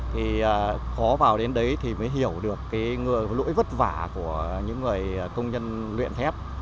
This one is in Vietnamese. thì khó vào đến đấy thì mới hiểu được cái lỗi vất vả của những người công nhân luyện thép